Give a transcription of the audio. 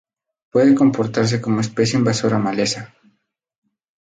Puede comportarse como especie invasora maleza.